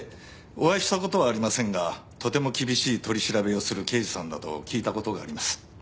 お会いした事はありませんがとても厳しい取り調べをする刑事さんだと聞いた事があります。